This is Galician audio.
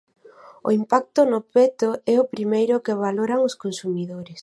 O impacto no peto é o primeiro que valoran os consumidores.